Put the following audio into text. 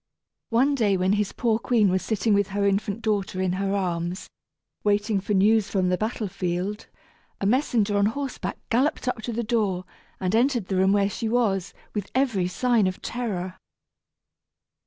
One day when his poor queen was sitting with her infant daughter in her arms, waiting for news from the battle field, a messenger on horseback galloped up to the door, and entered the room where she was, with every sign of terror.